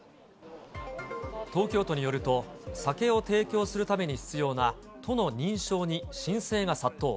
東京都によると、酒を提供するために必要な都の認証に申請が殺到。